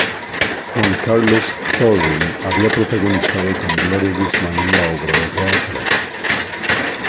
Juan Carlos Thorry había protagonizado con Gloria Guzmán la obra de teatro.